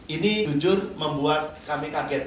ini jujur membuat kami kaget